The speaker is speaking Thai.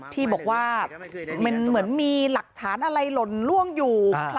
ที่บอกว่ามันเหมือนมีหลักฐานอะไรหล่นล่วงอยู่